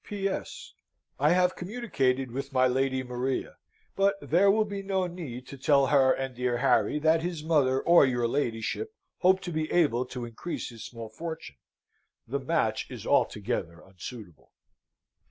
"P.S. I have communicated with my Lady Maria; but there will no need to tell her and dear Harry that his mother or your ladyship hope to be able to increase his small fortune. The match is altogether unsuitable."